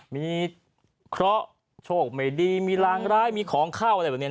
มีเคราะห์โชคไม่ดีมีรางร้ายมีของเข้าอะไรแบบนี้